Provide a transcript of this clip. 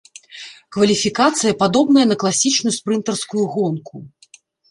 Кваліфікацыя падобная на класічную спрынтарскую гонку.